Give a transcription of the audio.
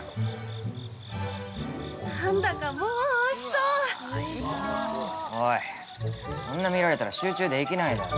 そんな見られたら集中できないだろ。